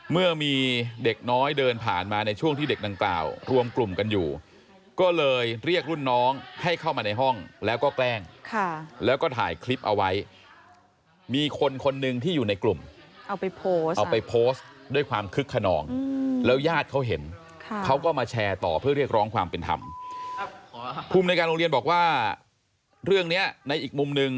เมื่อมีเด็กน้อยเดินผ่านมาในช่วงที่เด็กดังกล่าวรวมกลุ่มกันอยู่ก็เลยเรียกรุ่นน้องให้เข้ามาในห้องแล้วก็แกล้งแล้วก็ถ่ายคลิปเอาไว้มีคนคนหนึ่งที่อยู่ในกลุ่มเอาไปโพสต์เอาไปโพสต์ด้วยความคึกขนองแล้วญาติเขาเห็นเขาก็มาแชร์ต่อเพื่อเรียกร้องความเป็นธรรมภูมิในการโรงเรียนบอกว่าเรื่องเนี้ยในอีกมุมหนึ่ง